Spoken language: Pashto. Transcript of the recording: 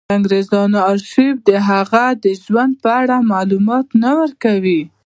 د انګرېزانو ارشیف د هغه د ژوند په اړه معلومات نه ورکوي.